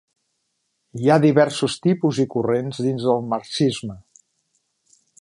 Hi ha diversos tipus i corrents dins del marxisme.